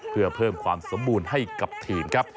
เพื่อเพิ่มความสมบูรณ์ให้กับทีมครับ